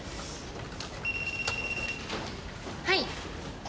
はい。